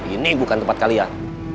ini bukan tempat kalian